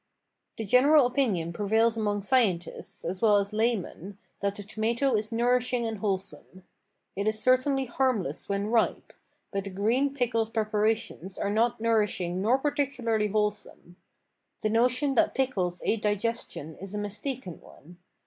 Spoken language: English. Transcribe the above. The general opinion prevails among scientists, as well as laymen, that the tomato is nourishing and wholesome. It is certainly harmless when ripe, but the green pickled preparations are not nourishing nor particularly wholesome. The notion that pickles aid digestion is a mistaken one.